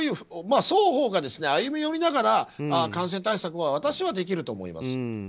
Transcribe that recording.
双方が歩み寄りながら感染対策を私はできると思います。